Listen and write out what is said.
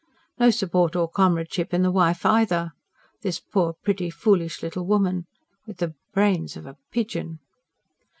No support or comradeship in the wife either this poor pretty foolish little woman: "With the brains of a pigeon!"